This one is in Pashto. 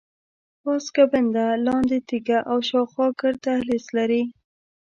پاس ګنبده، لاندې تیږه او شاخوا ګرد دهلیز لري.